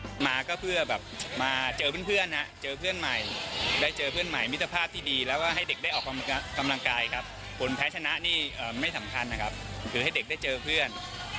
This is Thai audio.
จะเอาที่หนึ่งให้ได้เลยครับแน่นอน